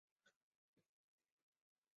毕业于锦州医学院医疗专业。